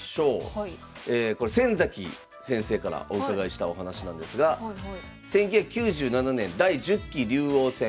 これ先崎先生からお伺いしたお話なんですが１９９７年第１０期竜王戦。